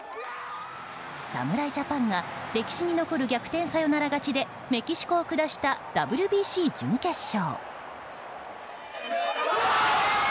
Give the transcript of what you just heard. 侍ジャパンが歴史に残る逆転サヨナラ勝ちでメキシコを下したＷＢＣ準決勝。